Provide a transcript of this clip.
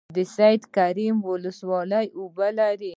د سید کرم ولسوالۍ اوبه لري